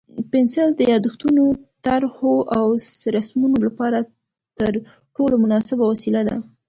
پنسل د یادښتونو، طرحو او رسمونو لپاره تر ټولو مناسبه وسیله ده.